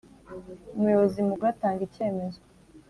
Umuyobozi Mukuru atanga icyemezo